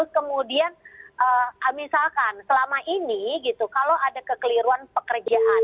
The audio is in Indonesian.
kemudian misalkan selama ini gitu kalau ada kekeliruan pekerjaan